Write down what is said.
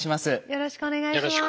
よろしくお願いします。